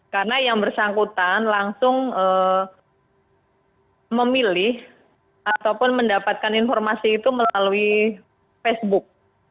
karena yang bersangkutan langsung memilih ataupun mendapatkan informasi itu melalui facebook